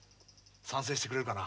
賛成してくれるかな？